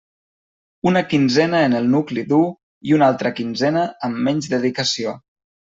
Una quinzena en el nucli dur, i una altra quinzena amb menys dedicació.